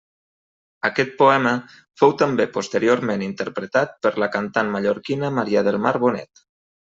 Aquest poema fou també posteriorment interpretar per la cantant mallorquina Maria del Mar Bonet.